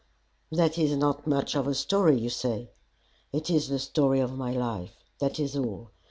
That is not much of a story, you say. It is the story of my life. That is all.